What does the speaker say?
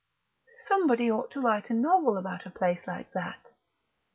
Somebody ought to write a novel about a place like that!